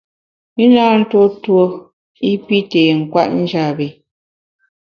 I na ntuo tuo i pi té nkwet njap bi.